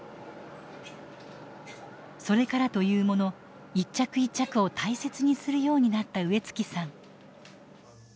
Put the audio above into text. それからというもの一着一着を大切にするようになった植月さん。